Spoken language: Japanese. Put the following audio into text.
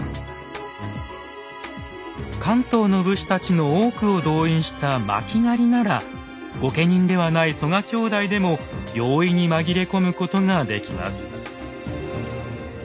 関東の武士たちの多くを動員した巻狩なら御家人ではない曽我兄弟でも容易に紛れ込むことができます。